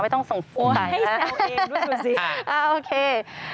ไม่ต้องส่งฟุงไป